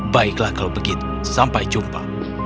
baiklah kalau begitu sampai jumpa